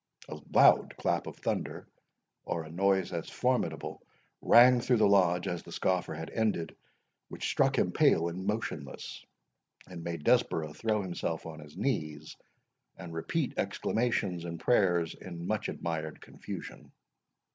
A loud clap of thunder, or a noise as formidable, rang through the Lodge as the scoffer had ended, which struck him pale and motionless, and made Desborough throw himself on his knees, and repeat exclamations and prayers in much admired confusion.